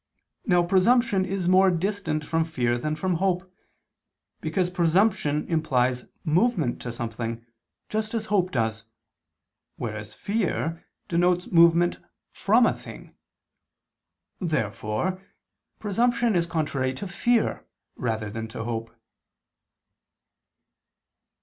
Now presumption is more distant from fear than from hope, because presumption implies movement to something, just as hope does, whereas fear denotes movement from a thing. Therefore presumption is contrary to fear rather than to hope.